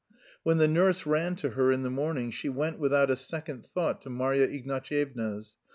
When the nurse ran to her in the morning she went without a second thought to Marya Ignatyevna's.